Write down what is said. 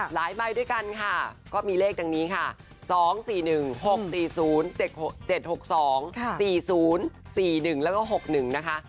หลายใบด้วยกันค่ะก็มีเลขแบบนี้ค่ะ๒๔๑๖๔๐๗๖๒๔๐๔๑๖๑นะคะ